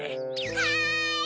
はい！